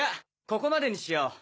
ここまでにしよう。